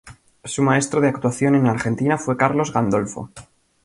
Su maestro de actuación en Argentina fue Carlos Gandolfo.